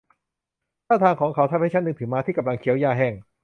ท่าทางของเขาทำให้ฉันนึกถึงม้าที่กำลังเคี้ยวหญ้าแห้ง